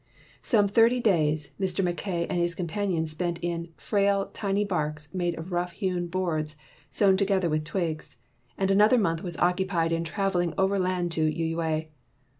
Some thirty days, Mr. Mackay and his companions spent in "frail, tiny barks, made of rough hewn boards, sewed together with twigs," and an 136 MUTESA AND MOHAMMEDANS other month was occupied in traveling over land to Uyui.